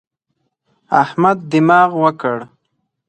احمد دماغ وکړ.